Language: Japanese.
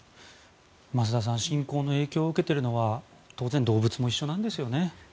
増田さん侵攻の影響を受けているのは当然、動物も一緒なんですよね。